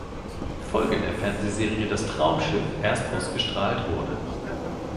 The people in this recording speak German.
Folge der Fernsehreihe "Das Traumschiff" erstausgestrahlt wurde.